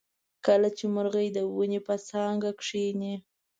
کله چې مرغۍ د ونې په څانګه کیني.